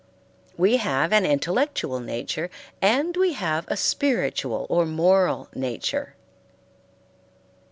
We have an intellectual nature and we have a spiritual or moral nature.